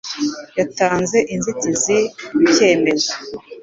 Yatanze inzitizi ku cyemezo.